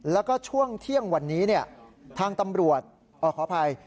แล้วก็ช่วงเที่ยงวันนี้ทางตำรวจขออภัย